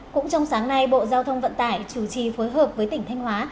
cũng trong sáng nay bộ giao thông vận tải chủ trì phối hợp với tỉnh thanh hóa